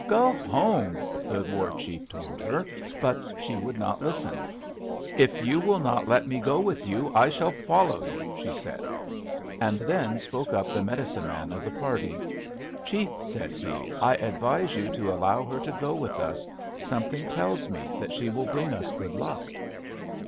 Go home!' the war chief told her. But she would not listen. "'If you will not let me go with you, I shall follow you,' she said. "And then spoke up the medicine man of the party: 'Chief,' said he, 'I advise you to allow her to go with us; something tells me that she will bring us good luck.'